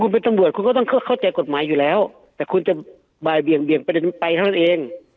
คุณเป็นตำรวจคุณก็ต้องเข้าใจกฎหมายอยู่แล้วแต่คุณจะบ่ายเบี่ยงประเด็นไปเท่านั้นเอง